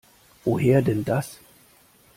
Woher denn das?